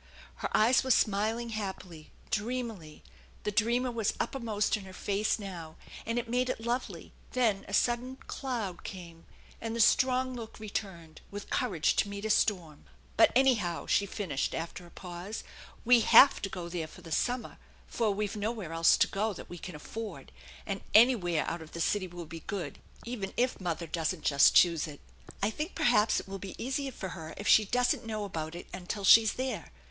Her eyes were smiling happily, dreamily ; the dreamer was uppermost in her face now, and made it lovely ; then a sudden cloud came, and the strong look returned, with courage to meet a storm. " But, anyhow/' she finished after a pause, " we have to <go there for the summer, for we've nowhere else to go that we can afford ; and anywhere out of the city will be good, even if mother doesn't just choose it. I think perhaps it will be easier for her if she doesn't know about it until she's there.